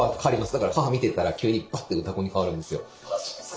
だから母見てたら急にバッと「うたコン」に替わるんですよ。